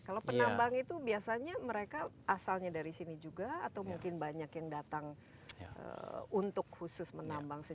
kalau penambang itu biasanya mereka asalnya dari sini juga atau mungkin banyak yang datang untuk khusus menambang